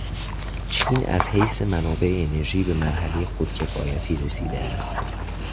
چین از حیث منابع انرژی به مرحلهٔ خود کفایتی رسیده است.